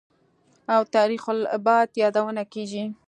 او «تخریب البلاد» یادونه کېږي